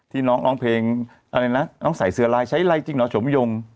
น้องร้องเพลงอะไรนะน้องใส่เสื้อลายใช้ไลน์จริงเหรอโฉมยง